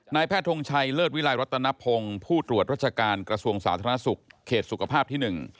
แพทย์ทงชัยเลิศวิลัยรัตนพงศ์ผู้ตรวจรัชการกระทรวงสาธารณสุขเขตสุขภาพที่๑